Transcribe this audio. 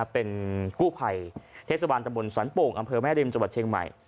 เป็นกู้ภัยเทศบาลตำบลสันโป่งอำเภอแม่ริมจังหวัดเชียงใหม่